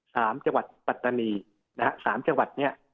สามจังหวัดปัตตานีนะฮะสามจังหวัดเนี้ย